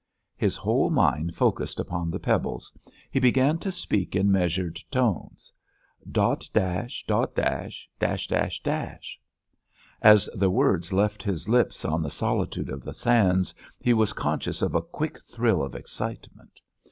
His whole mind focused upon the pebbles; he began to speak in measured tones. "Dot dash dot dash; dash dash dash." As the words left his lips on the solitude of the sands, he was conscious of a quick thrill of excitement.